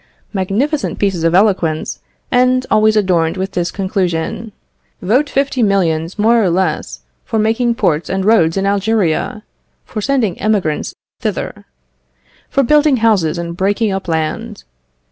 Magnificent pieces of eloquence, and always adorned with this conclusion: "Vote fifty millions, more or less, for making ports and roads in Algeria; for sending emigrants thither; for building houses and breaking up land.